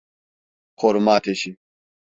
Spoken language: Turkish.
Koruma ateşi!